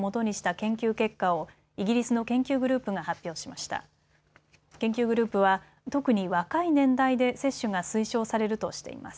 研究グループは特に若い年代で接種が推奨されるとしています。